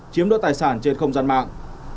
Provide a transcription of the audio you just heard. chiếm đốt tài sản trên không gian mạng